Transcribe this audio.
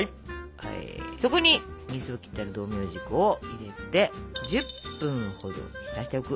そこに水を切ってある道明寺粉を入れて１０分ほど浸しておく。